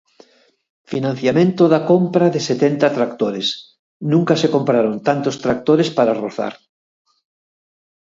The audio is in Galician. Financiamento da compra de setenta tractores, nunca se compraron tantos tractores para rozar.